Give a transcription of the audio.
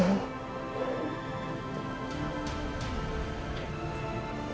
kamu di sini